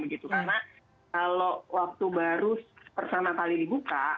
karena kalau waktu baru pertama kali dibuka